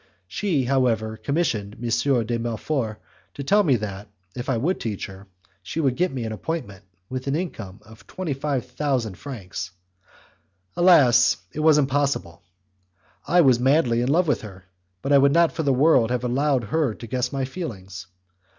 She, however, commissioned M. de Melfort to tell me that, if I would teach her, she would get me an appointment with an income of twenty five thousand francs. Alas! it was impossible! I was madly in love with her, but I would not for the world have allowed her to guess my feelings.